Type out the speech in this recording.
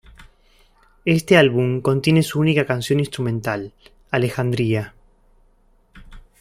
Este álbum contiene su única canción instrumental, Alejandría.